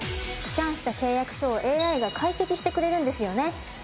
スキャンした契約書をＡＩが解析してくれるんですよね。